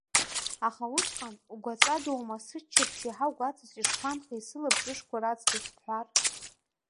Аха усҟан, угәаҵәадоума, сыччаԥшь иаҳа угәаҵаҿы ишԥанхеи сылабжышқәа раҵкыс бҳәар?